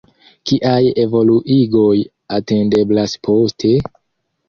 Kiaj evoluigoj atendeblas poste?